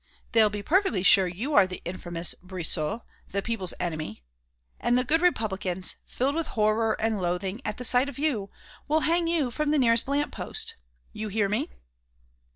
They'll be perfectly sure you are the infamous Brissot, the people's enemy; and the good Republicans, filled with horror and loathing at sight of you, will hang you from the nearest lamp post. You hear me?"